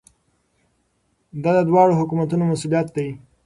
دا د دواړو حکومتونو مسؤلیت دی.